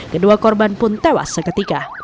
kedua korban pun tewas seketika